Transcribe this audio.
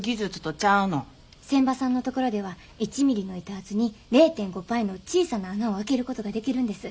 仙波さんのところでは１ミリの板厚に０．５パイの小さな孔を開けることができるんです。